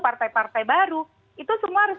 partai partai baru itu semua harus